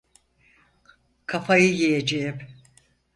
Kafayı yiyeceğim.